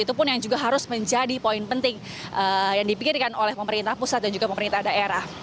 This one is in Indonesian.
itu pun yang juga harus menjadi poin penting yang dipikirkan oleh pemerintah pusat dan juga pemerintah daerah